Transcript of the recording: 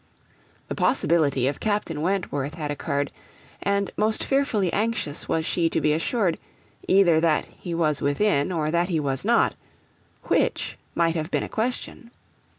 The possibility of Captain Wentworth had occurred; and most fearfully anxious was she to be assured either that he was within, or that he was not which might have been a question.